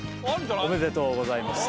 おめでとうございます。